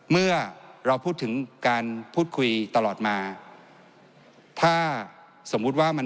เมื่อเราพูดถึงการพูดคุยตลอดมาถ้าสมมุติว่ามัน